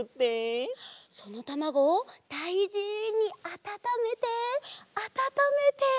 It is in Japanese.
そのたまごをだいじにあたためてあたためて。